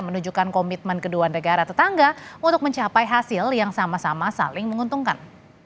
menunjukkan komitmen kedua negara tetangga untuk mencapai hasil yang sama sama saling menguntungkan